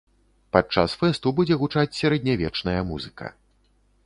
Падчас фэсту будзе гучаць сярэднявечная музыка.